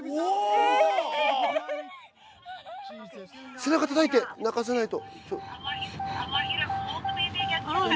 背中叩いて泣かせないと。